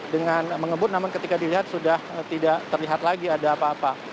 dengan mengebut namun ketika dilihat sudah tidak terlihat lagi ada apa apa